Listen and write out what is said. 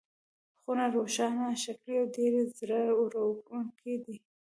خونه روښانه، ښکلې او ډېره زړه وړونکې وه.